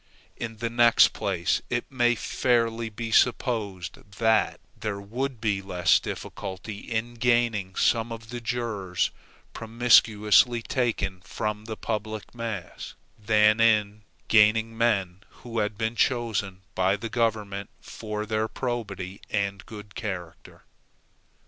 In the next place, it may fairly be supposed, that there would be less difficulty in gaining some of the jurors promiscuously taken from the public mass, than in gaining men who had been chosen by the government for their probity and good character.